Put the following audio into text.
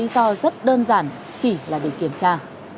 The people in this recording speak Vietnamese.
do rất đơn giản chỉ là để kiểm tra